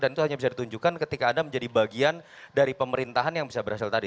dan itu hanya bisa ditunjukkan ketika anda menjadi bagian dari pemerintahan yang bisa berhasil tadi